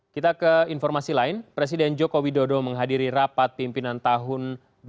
kita ke informasi lain presiden joko widodo menghadiri rapat pimpinan tahun dua ribu dua puluh